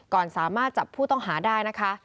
ก่อนสามารถจับผู้ต้องหาได้นะคะ